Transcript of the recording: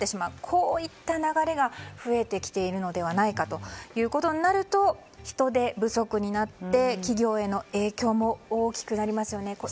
こういった流れが増えてきているのではないかということになると人手不足になって企業への影響も大きくなりますよね。